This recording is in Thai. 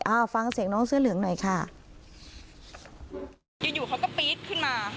อ่าฟังเสียงน้องเสื้อเหลืองหน่อยค่ะอยู่อยู่เขาก็ปี๊ดขึ้นมา